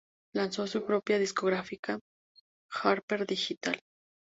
Lanzó su propia discográfica "Harper Digital".